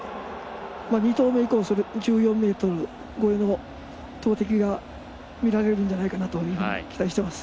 ２投目以降、１４ｍ越えの投てきが見られるんじゃないかなと期待しています。